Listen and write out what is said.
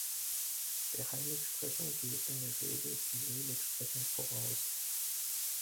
Der Heiligsprechung geht in der Regel die Seligsprechung voraus.